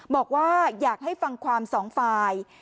บอกว่าอยากให้ฟังความสองฝ่าย